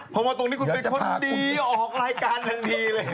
พอมาตรงนี้คุณเป็นคนดีออกรายการทันทีเลย